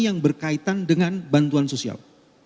yang berkaitan dengan bantuan sosial